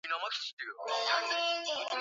Ambazo zinapatikana katika maeneo ya Bonde hilo